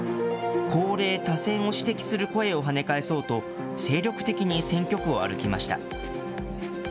高齢・多選を指摘する声をはね返そうと、精力的に選挙区を歩きました。